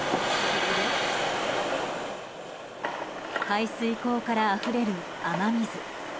排水溝からあふれる雨水。